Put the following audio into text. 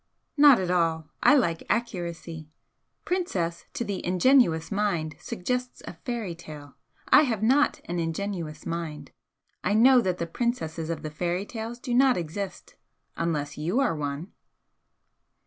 "Not at all. I like accuracy. 'Princess' to the ingenuous mind suggests a fairy tale. I have not an ingenuous mind. I know that the princesses of the fairy tales do not exist, unless you are one."